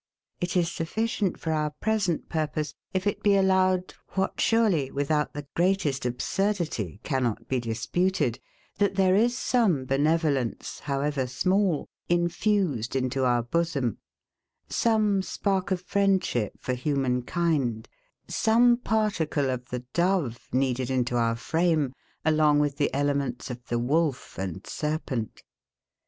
It is sufficient for our present purpose, if it be allowed, what surely, without the greatest absurdity cannot be disputed, that there is some benevolence, however small, infused into our bosom; some spark of friendship for human kind; some particle of the dove kneaded into our frame, along with the elements of the wolf and serpent.